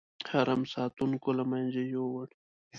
حرم ساتونکو له منځه یووړ.